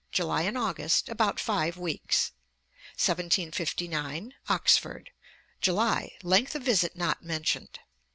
July and August, about five weeks. Ante, i. 270, note 5. 1759. Oxford. July, length of visit not mentioned.